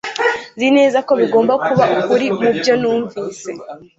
Nzi neza ko bigomba kuba ukuri mubyo numvise